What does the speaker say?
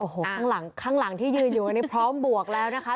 ข้างหลังที่ยืนอยู่กันนี้พร้อมบวกแล้วนะคะ